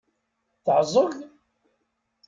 Teɛẓeg?